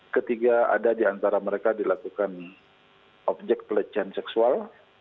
ketiga ada di antara mereka dilakukan objek pelecehan seksual